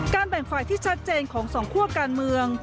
แบ่งฝ่ายที่ชัดเจนของสองคั่วการเมือง